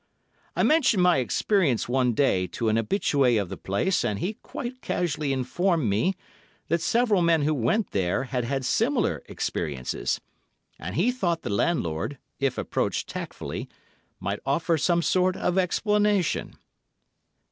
I mentioned my experience one day to an habitué of the place, and he quite casually informed me that several men who went there had had similar experiences, and he thought the landlord, if approached tactfully, might offer some sort of explanation.